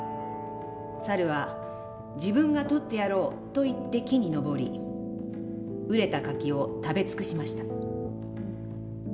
猿は『自分が取ってやろう』と言って木に登り熟れた柿を食べ尽くしました。